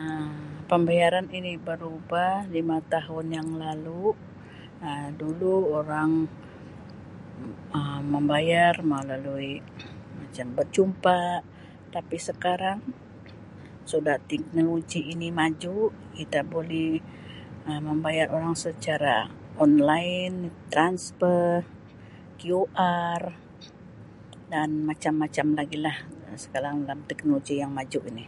Um Pembayaran ini berubah lima tahun yang lalu Um dulu orang Um membayar melalui macam berjumpa tapi sekarang sudah teknologi ini maju kita buli Um membayar orang secara online, transfer, QR dan macam-macam lagi lah sekarang dalam teknologi yang maju ini.